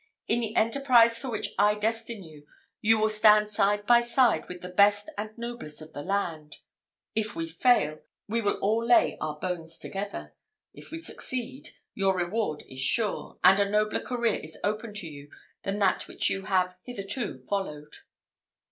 In the enterprise for which I destine you, you will stand side by side with the best and noblest of the land. If we fail, we will all lay our bones together; if we succeed, your reward is sure, and a nobler career is open to you than that which you have hitherto followed."